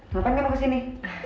kenapa kamu kesini